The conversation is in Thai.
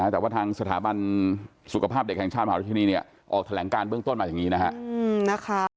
แต่ว่าทางสถาบันสุขภาพเด็กแห่งชาติมหาวิทยานีเนี่ยออกแถลงการเบื้องต้นมาอย่างนี้นะครับ